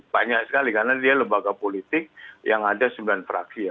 banyak sekali karena dia lembaga politik yang ada sembilan fraksi ya